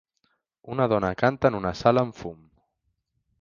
Una dona canta en una sala amb fum.